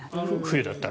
冬だったら。